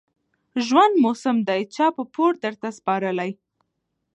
ژوند موسم دى چا په پور درته سپارلى